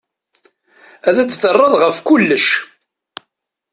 Ad d-terreḍ ɣef kullec.